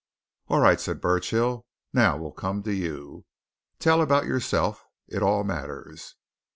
"All right," said Burchill. "Now, we'll come to you. Tell about yourself. It all matters."